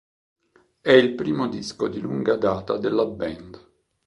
È il primo disco di lunga data della band.